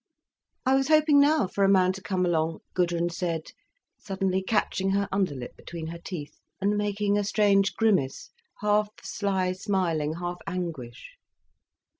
"I was hoping now for a man to come along," Gudrun said, suddenly catching her underlip between her teeth, and making a strange grimace, half sly smiling, half anguish.